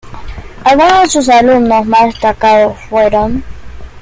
Algunos de sus alumnos más destacados fueron.